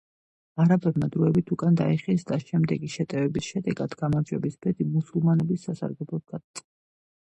არაბებმა დროებით უკან დაიხიეს და შემდეგი შეტევების შედეგად გამარჯვების ბედი მუსულმანების სასარგებლოდ გადაწყდა.